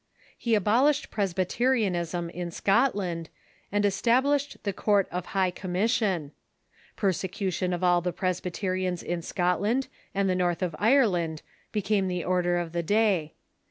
He abolished Prcsliyterianism in Scot land, and established the Court of High Commission. Pcise cution of the Presbyterians in Scotland and the North of Ire land became the order of the day.